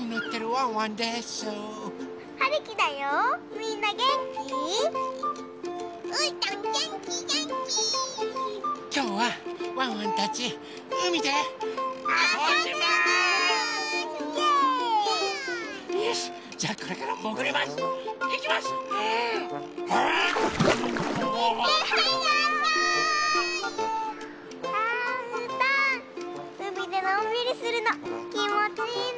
あうーたんうみでのんびりするのきもちいいね。